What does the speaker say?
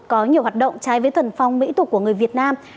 có nhiều hoạt động trái với thuần phong mỹ tục của người việt nam